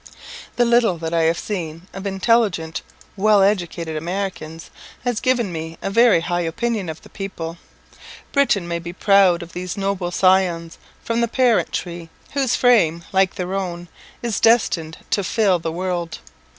The little that I have seen of intelligent, well educated Americans, has given me a very high opinion of the people. Britain may be proud of these noble scions from the parent tree, whose fame, like her own, is destined to fill the world.